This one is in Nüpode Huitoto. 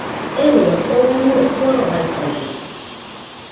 ¡Euruaɨ! oo urue korobaisaide